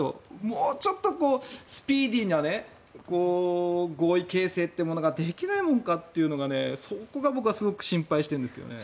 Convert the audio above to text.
もうちょっとスピーディーな合意形成というのができないものかというのがそこが僕はすごく心配してるんですけどね。